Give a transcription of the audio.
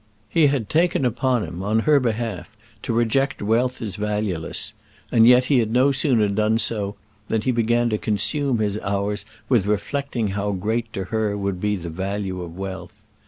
He had taken upon him on her behalf to reject wealth as valueless; and yet he had no sooner done so than he began to consume his hours with reflecting how great to her would be the value of wealth.